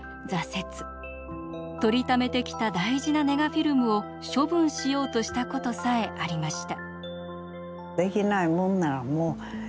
撮りためてきた大事なネガフィルムを処分しようとしたことさえありました。